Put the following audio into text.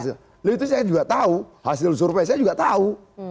lalu itu saya juga tahu hasil survei saya juga tahu